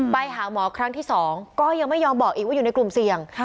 ไปหาหมอครั้งที่๒ก็ยังไม่ยอมบอกอีกว่าอยู่ในกลุ่มเสี่ยง